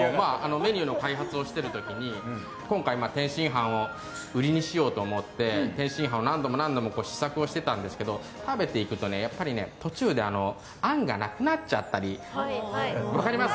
メニューの開発をしている時に今回、天津飯を売りにしようと思って天津飯を何度も何度も試作してたんですけど食べていくと途中であんがなくなっちゃったり分かります？